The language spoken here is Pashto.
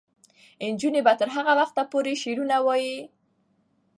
نجونې به تر هغه وخته پورې شعرونه وايي.